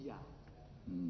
ya itu dia